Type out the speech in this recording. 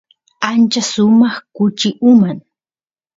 ancha sumaq kuchi uman